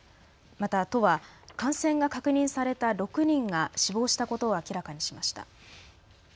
また都は感染が確認された６人が死亡したことを明らかにしました。